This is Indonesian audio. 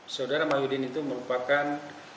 saudara mahyudin itu merupakan